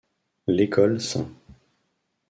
L'école St.